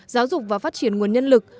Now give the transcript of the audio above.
giáo dục và phát triển nguồn nhân lực